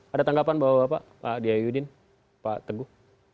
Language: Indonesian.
ada tanggapan bahwa pak diyudin pak tengguh